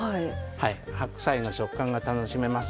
白菜の食感が楽しめます。